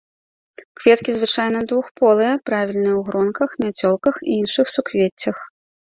Кветкі звычайна двухполыя, правільныя ў гронках, мяцёлках і іншых суквеццях.